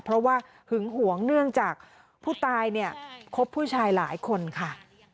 เพราะว่าหึงหวงเนื่องจากผู้ตายเนี่ยคบผู้ชายหลายคนค่ะ